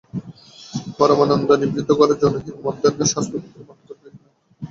পরমানন্দ নিভৃত ঘরে জনহীন মধ্যাহ্নে শাস্ত্রপাঠ করিতেছিলেন।